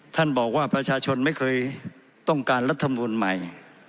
ท่านบอกว่าประชาชนไม่เคยต้องการรัฐมนูลใหม่